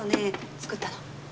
作ったの？